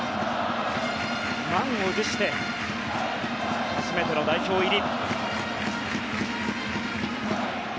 満を持して、初めての代表入り。